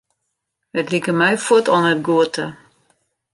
It like my fuort al net goed ta.